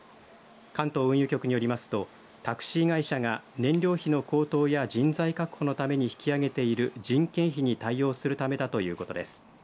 関東運輸局によりますとタクシー会社が燃料費の高騰や人材確保のために引き上げている人件費に対応するためだということです。